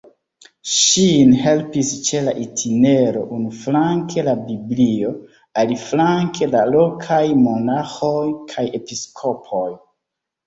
Ŝin helpis ĉe la itinero unuflanke la Biblio, aliflanke la lokaj monaĥoj kaj episkopoj.